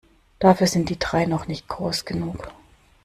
Dafür sind die drei noch nicht groß genug.